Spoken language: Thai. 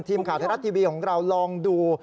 ทีมข่าวไทยรัฐทีวีของเราลองดู